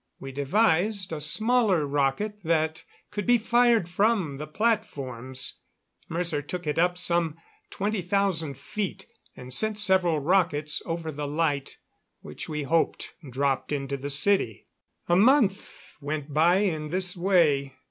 We devised a smaller rocket that could be fired from the platforms. Mercer took it up some twenty thousand feet, and sent several rockets over the light, which we hoped dropped into the city. A month went by in this way.